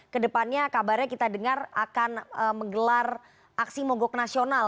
kedepannya kabarnya kita dengar akan menggelar aksi mogok nasional